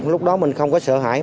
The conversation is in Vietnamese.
lúc đó mình không có sợ hãi